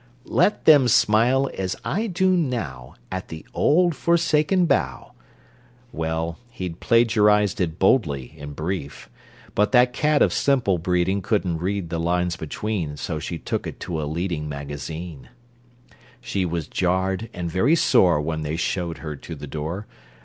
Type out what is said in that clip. "Let them smile, as I do now, At the old forsaken bough" Well, he'd plagiarized it bodily, in brief! But that cat of simple breeding Couldn't read the lines between, So she took it to a leading Magazine. She was jarred and very sore When they showed her to the door.